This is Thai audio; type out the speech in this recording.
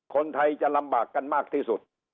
คนไทยจะลำบากกันมากที่สุด